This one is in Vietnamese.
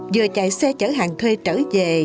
vừa chạy xe chở hàng thuê trở về